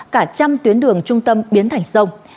cả trăm tuyến đường trung tâm biến thành sông